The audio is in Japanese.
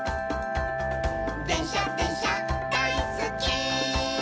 「でんしゃでんしゃだいすっき」